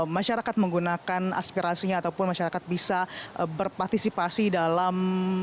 masyarakat menggunakan aspirasinya ataupun masyarakat bisa berpartisipasi dalam